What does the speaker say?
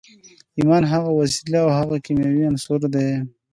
ايمان هغه وسيله او هغه کيمياوي عنصر دی.